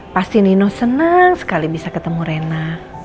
pasti nino senang sekali bisa ketemu rena